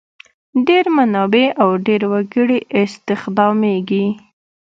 ډېر منابع او ډېر وګړي استخدامیږي.